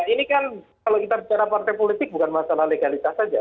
ini kan kalau kita bicara partai politik bukan masalah legalitas saja